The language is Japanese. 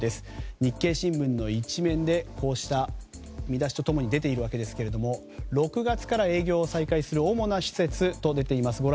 日経新聞の１面でこうした見出しと共に出ているわけですが６月から営業再開する主な施設と出ています。